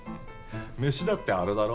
飯だってあれだろ？